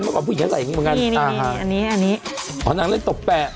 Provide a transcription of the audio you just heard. เมื่อก่อนผู้หญิงก็ใส่อย่างนี้เหมือนกันอันนี้อันนี้อ๋อนางเล่นตบแปะ